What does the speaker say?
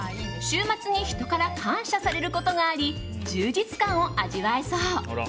週末に人から感謝されることがあり充実感を味わえそう。